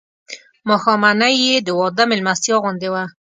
ماښامنۍ یې د واده مېلمستیا غوندې وه.